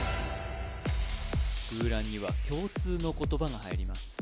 空欄には共通の言葉が入ります